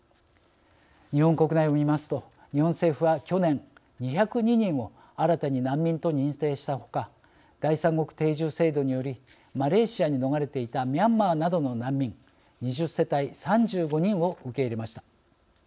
日本国内を見ますと日本政府は去年２０２人を新たに難民と認定したほか第三国定住制度によりマレーシアに逃れていたミャンマーなどの難民２０世帯３５人を受け入れました。